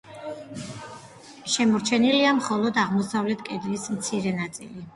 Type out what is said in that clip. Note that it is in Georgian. შემორჩენილია მხოლოდ აღმოსავლეთ კედლის მცირე ნაწილი.